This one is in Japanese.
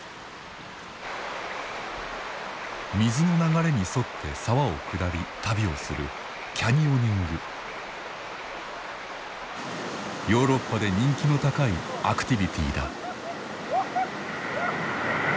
水の流れに沿って沢を下り旅をするヨーロッパで人気の高いアクティビティーだ。